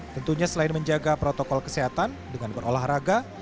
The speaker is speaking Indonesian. tentunya selain menjaga protokol kesehatan dengan berolahraga